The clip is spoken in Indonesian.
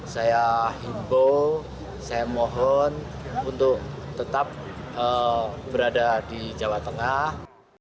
saya himbo saya mohon untuk tetap berada di jawa tengah